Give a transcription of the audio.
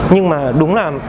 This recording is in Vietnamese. nhưng mà đúng là